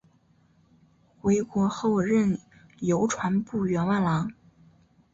回国后任邮传部员外郎。